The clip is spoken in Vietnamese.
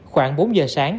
khoảng bốn giờ sáng